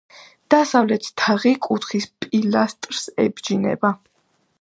დასავლეთი თაღი კუთხის პილასტრს ებჯინება.